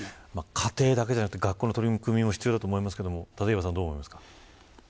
家庭だけでなくて学校の取り組みも必要だと思いますけど立岩さん、どう思いますか。